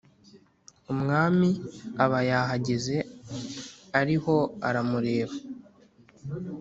umwami aba yahageze ariho aramureba,